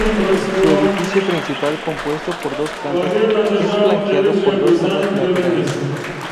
Su edificio principal, compuesto por dos plantas, es flanqueado por dos alas laterales.